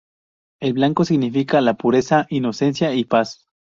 El blanco significa la pureza, inocencia y paz.